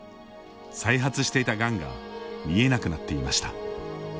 再発していたがんが見えなくなっていました。